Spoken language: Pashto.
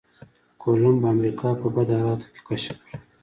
کولمب امريکا په بد حالاتو کې کشف کړه.